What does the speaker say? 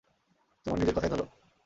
তোমার নিজের কথাই ধরো।